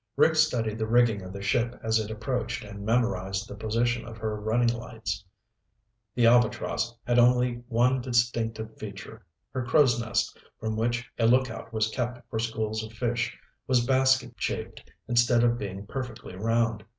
Rick studied the rigging of the ship as it approached and memorized the position of her running lights. The Albatross had only one distinctive feature; her crow's nest, from which a lookout was kept for schools of fish, was basket shaped instead of being perfectly round.